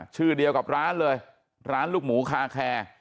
ชื่อเดียวกับร้านเลยร้านลูกหมูคาแคร์